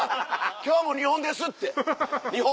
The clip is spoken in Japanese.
今日も２本です！って。